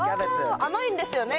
甘いんですよね。